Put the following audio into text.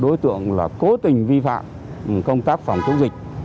đối tượng là cố tình vi phạm công tác phòng chống dịch